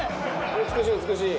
美しい美しい。